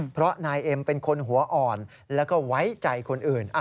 เพราะนายเอ็มเป็นคนหัวอ่อนแล้วก็ไว้ใจคนอื่น